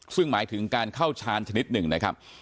ซึ่งหมายถึงการเข้าชานชนิดหนึ่งนะครับ